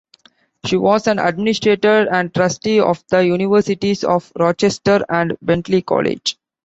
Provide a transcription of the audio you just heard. She was an administrator and trustee of the Universities of Rochester and Bentley College.